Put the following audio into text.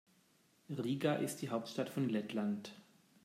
Riga ist die Hauptstadt von Lettland.